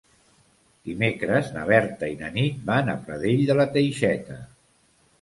Dimecres na Berta i na Nit van a Pradell de la Teixeta.